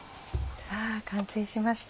完成しました。